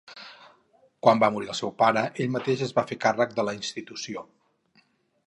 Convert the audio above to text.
Quan va morir el seu pare, ell mateix es va fer càrrec de la institució.